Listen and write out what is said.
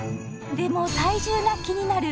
でも体重が気になる